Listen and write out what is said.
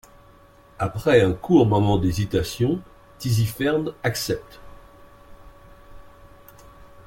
Après un court moment d’hésitation, Tisiphernes accepte.